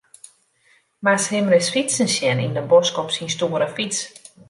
Moatst him ris fytsen sjen yn 'e bosk op syn stoere fyts.